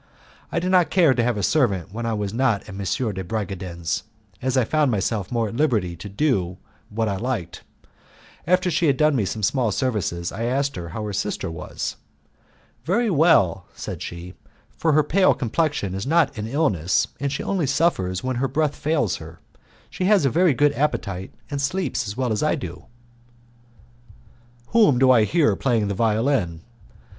I did not care to have a servant when I was not at M. de Bragadin's, as I found myself more at liberty to do what I liked. After she had done me some small services, I asked her how her sister was. "Very well," said she, "for her pale complexion is not an illness, and she only suffers when her breath fails her. She has a very good appetite, and sleeps as well as I do." "Whom do I hear playing the violin?"